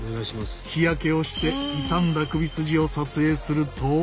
日焼けをして痛んだ首筋を撮影すると。